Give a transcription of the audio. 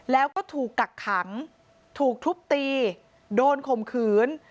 แล้วก็ถูกกักขังถูกทุบตีโดนข่มขืน